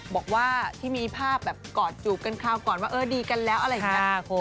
บอกว่าที่มีภาพแบบกอดจูบกันคราวก่อนว่าเออดีกันแล้วอะไรอย่างนี้